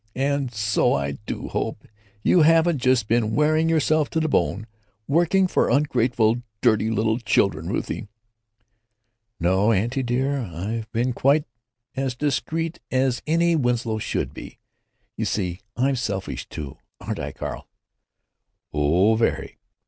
And so I do hope you haven't just been wearing yourself to a bone working for ungrateful dirty little children, Ruthie." "No, auntie dear, I've been quite as discreet as any Winslow should be. You see, I'm selfish, too. Aren't I, Carl?" "Oh, very."